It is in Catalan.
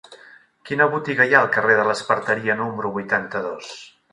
Quina botiga hi ha al carrer de l'Esparteria número vuitanta-dos?